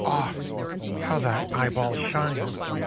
HE. Off!... How thy eyeballs shine!